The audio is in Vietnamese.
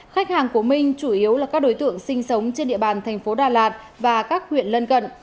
khách hàng của mình chủ yếu là các đối tượng sinh sống trên địa bàn tp đà lạt và các huyện lân cận